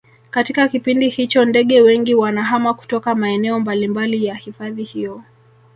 katika kipindi hicho ndege wengi wanahama kutoka maeneo mbalimbali ya hifadhi hiyo